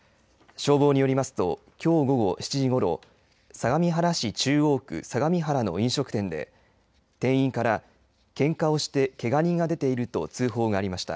消防によりますと、きょう午後７時ごろ、相模原市中央区相模原の飲食店で店員からけんかをしてけが人が出ていると通報がありました。